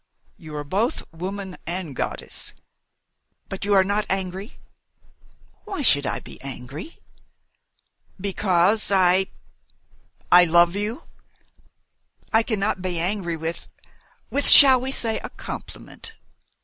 "You are both woman and goddess! But you are not angry?" "Why should I be angry?" "Because I I love you!" "I cannot be angry with with shall we say a compliment."